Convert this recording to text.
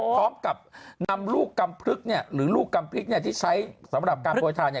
พร้อมกับนำลูกกรรมพลึกหรือลูกกรรมพลึกที่ใช้สำหรับการโบสถ์